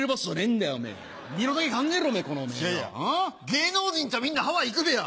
芸能人みんなハワイ行くべや。